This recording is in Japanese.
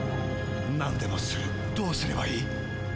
何でもするどうすればいい？